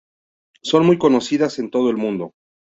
Son muy conocidas en todo el mundo.